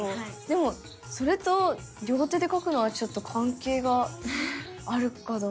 でもそれと両手で書くのはちょっと関係があるかどうかと言われると。